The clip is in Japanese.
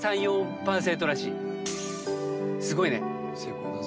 すごいね。